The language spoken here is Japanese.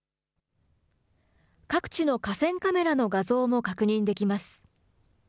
各地の河川カメラの画像も確認できます。